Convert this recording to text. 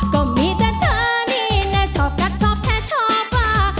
ก็มีแต่เธอนี่แหละชอบกัดชอบแค่ชอบว่า